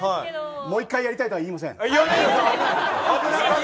もう１回やりたいとは言いません。